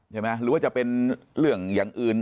หรือว่าจะเป็นเรื่องอย่างอื่น